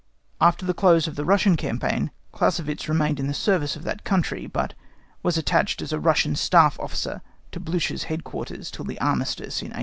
After the close of the Russian campaign Clausewitz remained in the service of that country, but was attached as a Russian staff officer to Blücher's headquarters till the Armistice in 1813.